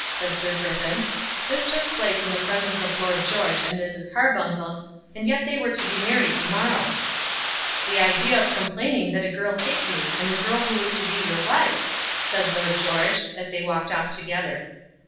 said Sir Griffin. This took place in the presence of Lord George and Mrs. Carbuncle, and yet they were to be married to morrow. "The idea of complaining that a girl hit you, and the girl who is to be your wife!" said Lord George, as they walked off together.